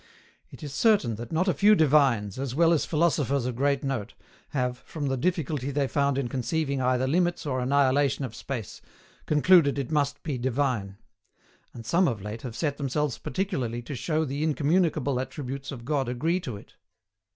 It is certain that not a few divines, as well as philosophers of great note, have, from the difficulty they found in conceiving either limits or annihilation of space, concluded it must be divine. And some of late have set themselves particularly to show the incommunicable attributes of God agree to it.